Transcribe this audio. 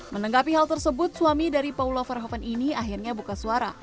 menenggapi hal tersebut suami dari paula verhoeven ini akhirnya buka suara